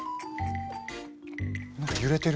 何か揺れてる。